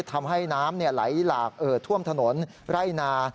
ทำให้น้ำไหลหลากเอ่อท่วมถนนไร่นา